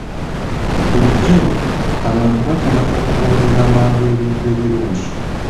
Bulijjo, abantu batera okugondera amangu ebintu ebirungi.